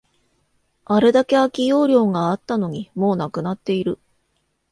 あれだけ空き容量があったのに、もうなくなっている